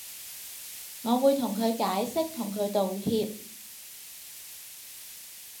我會同佢解釋同佢道歉